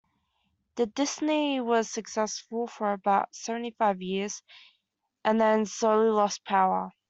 The dynasty was successful for about seventy-five years and then slowly lost power.